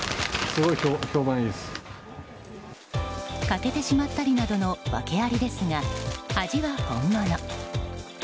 欠けてしまったりなどの訳ありですが、味は本物。